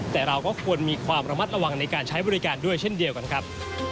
แต่เราก็ควรมีความระมัดระวังในการใช้บริการด้วยเช่นเดียวกันครับ